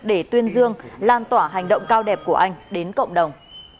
để tuyên dương lan tỏa hành động cao đẹp của anh đến cộng đồng